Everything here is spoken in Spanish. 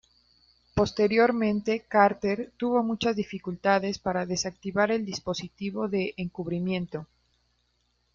Posteriormente, Carter tuvo muchas dificultades para desactivar el dispositivo de encubrimiento.